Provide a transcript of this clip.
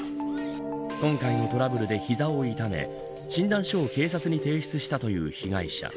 今回のトラブルで膝を痛め診断書を警察に提出したという被害者。